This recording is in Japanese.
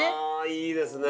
いいですね。